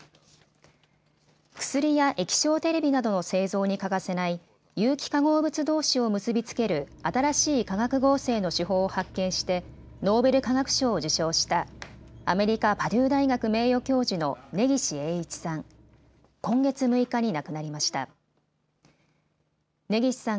薬や液晶テレビなどの製造に欠かせない有機化合物どうしを結び付ける新しい化学合成の手法を発見してノーベル化学賞を受賞したアメリカ・パデュー大学名誉教授の根岸英一さん。